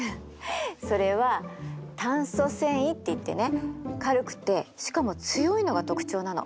それは炭素繊維っていってね軽くてしかも強いのが特徴なの。